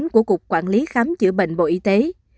của cục quản lý khám chữa bệnh bộ y tế